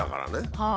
はい。